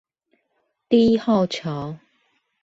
第一號橋